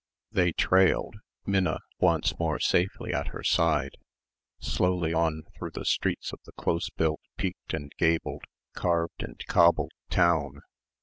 They trailed, Minna once more safely at her side, slowly on through the streets of the close built peaked and gabled, carved and cobbled town.